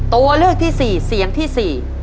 ตัวเลือกที่สี่เสียงที่๔